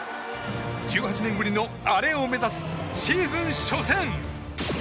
１８年ぶりのアレを目指すシーズン初戦。